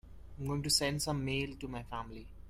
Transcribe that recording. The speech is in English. I am going to send some mail to my family.